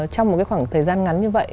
trong một khoảng thời gian ngắn như vậy